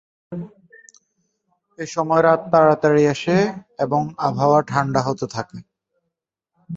এসময় রাত তাড়াতাড়ি আসে এবং আবহাওয়া ঠাণ্ডা হতে থাকে।